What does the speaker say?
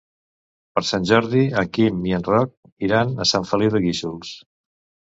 Per Sant Jordi en Quim i en Roc iran a Sant Feliu de Guíxols.